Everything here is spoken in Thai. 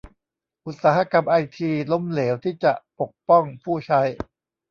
อุตสาหกรรมไอทีล้มเหลวที่จะปกป้องผู้ใช้